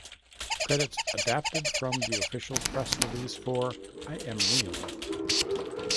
Credits adapted from the official press release for "I Am Real".